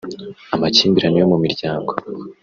amakimbirane yo mu miryango